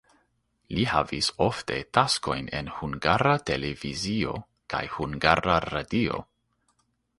Li havis ofte taskojn en Hungara Televizio kaj Hungara Radio.